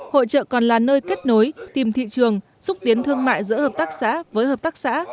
hội trợ còn là nơi kết nối tìm thị trường xúc tiến thương mại giữa hợp tác xã với hợp tác xã